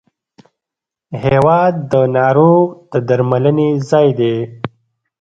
هېواد د ناروغ د درملنې ځای دی.